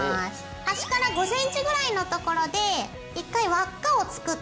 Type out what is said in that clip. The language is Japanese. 端から５ｃｍぐらいのところで１回輪っかを作って。